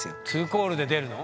２コールで出るの？